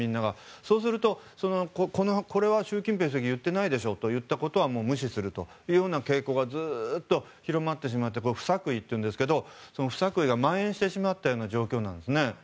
そうすると、これは習近平主席は言っていないでしょということは無視するという傾向がずっと広まってしまって不作為というんですけど不作為がまん延してしまったような状況なんですね。